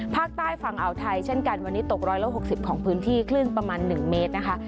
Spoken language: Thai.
ภาคใต้ฝั่งอ่าวไทยเช่นกันวันนี้ตก๑๖๐ของพื้นที่คลื่นประมาณ๑เมตรนะคะ